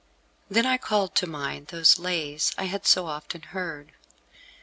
Then I called to mind those Lays I had so often heard.